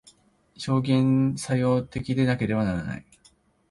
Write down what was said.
表現作用的でなければならない。